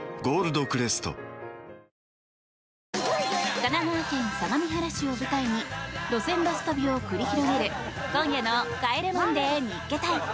神奈川県相模原市を舞台に路線バス旅を繰り広げる今夜の「帰れマンデー見っけ隊！！」。